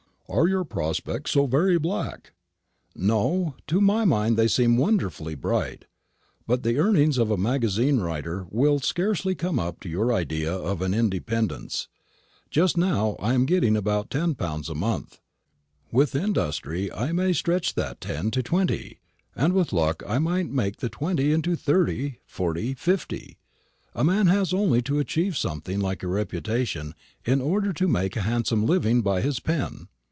"Are your prospects so very black?" "No; to my mind they seem wonderfully bright. But the earnings of a magazine writer will scarcely come up to your idea of an independence. Just now I am getting about ten pounds a month. With industry, I may stretch that ten to twenty; and with luck I might make the twenty into thirty forty fifty. A man has only to achieve something like a reputation in order to make a handsome living by his pen."